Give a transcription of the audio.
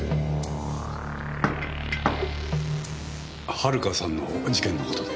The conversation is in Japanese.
遥さんの事件の事で？